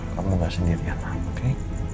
kamu gak sendirian lah oke